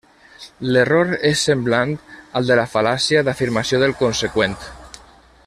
L'error és semblant al de la fal·làcia d'afirmació del conseqüent.